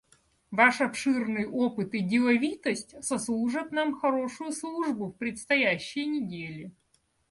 Ваш обширный опыт и деловитость сослужат нам хорошую службу в предстоящие недели.